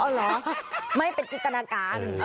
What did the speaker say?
เหรอไม่เป็นจินตนาการ